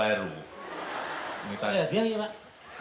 rakeleru tidak keren